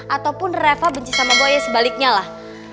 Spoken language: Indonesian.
ataupun reva benci sama boy ya sebaliknya lah